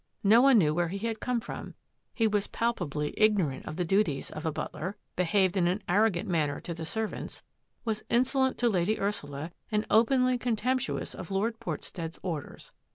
No one knew where he had come from; he was pal pably ignorant of the duties of a butler, behaved in an arrogant manner to the servants, was insolent to Lady Ursula, and openly contemptuous of Lord Portstead's orders.